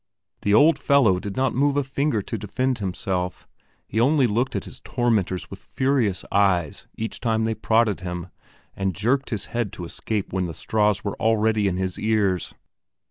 The old fellow did not move a finger to defend himself; he only looked at his tormentors with furious eyes each time they prodded him, and jerked his head to escape when the straws were already in his ears.